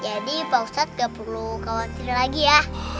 jadi pak ustadz gak perlu khawatir lagi ya